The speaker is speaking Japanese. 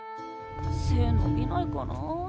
背のびないかなあ。